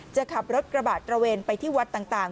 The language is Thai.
จะขับรถกระบะตระเวนไปที่วัดต่าง